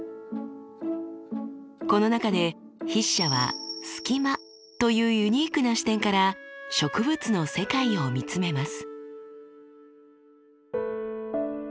この中で筆者はスキマというユニークな視点から植物の世界を見つめます。